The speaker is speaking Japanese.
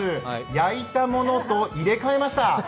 焼いたものと入れ替えました。